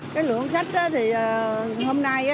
cái lượng khách thì hôm nay